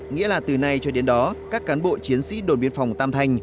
nghĩa là từ nay cho đến đó các cán bộ chiến sĩ đồn biên phòng tam thanh